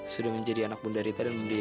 sudah menjadi anak bunda rita dan bunda yesi